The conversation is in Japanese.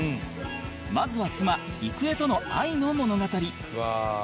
まずは妻郁恵との愛の物語